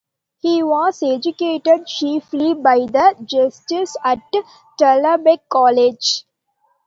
He was educated chiefly by the Jesuits at Tullabeg College.